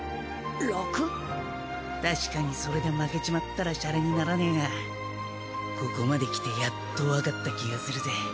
確かにそれで負けちまったらシャレにならねえがここまできてやっとわかった気がするぜ。